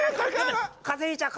風邪ひいちゃう。